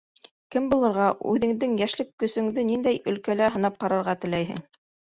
Кем булырға, үҙеңдең йәшлек көсөңдө ниндәй әлкәлә һынап ҡарарға теләйһең?